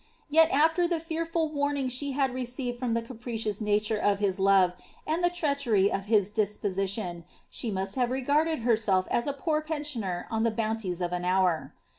Yet, after the fearful warning she had received of the capri ous nature of his love, and the treachery of his disposition, she must ive regarded herself as a '• poor pensioner on tlie bounties of an hour."